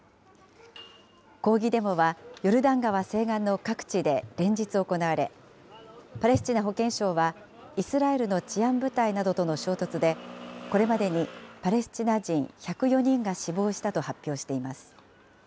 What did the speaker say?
抗議デモは、ヨルダン川西岸の各地で連日行われ、パレスチナ保健省はイスラエルの治安部隊などとの衝突で、これまでにパレスチナ人１０４人が死亡したと発表しています。